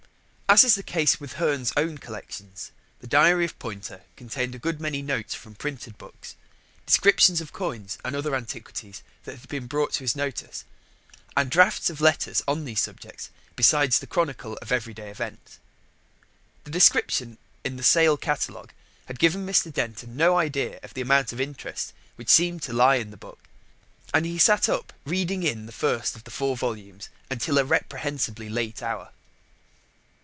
As is the case with Hearne's own collections, the diary of Poynter contained a good many notes from printed books, descriptions of coins and other antiquities that had been brought to his notice, and drafts of letters on these subjects, besides the chronicle of everyday events. The description in the sale catalogue had given Mr. Denton no idea of the amount of interest which seemed to lie in the book, and he sat up reading in the first of the four volumes until a reprehensibly late hour.